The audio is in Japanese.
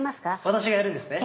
私がやるんですね？